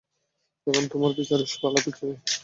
এখন তোমার বিচারের পালা, পিচ্চি মেয়ে।